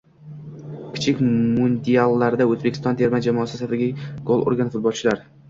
“Kichik mundial”larda O‘zbekiston terma jamoasi safida gol urgan futbolchilar